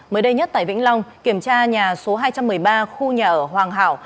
mới đây nhất tại vĩnh long kiểm tra nhà số hai trăm một mươi ba khu nhà ở hoàng hảo